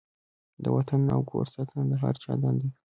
د وطن او کور ساتنه د هر چا دنده ده.